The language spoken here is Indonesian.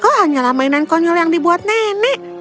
oh hanyalah mainan konyol yang dibuat nenek